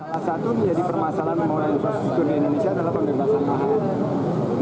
salah satu menjadi permasalahan membangunan infrastruktur di indonesia adalah pembebasan lahan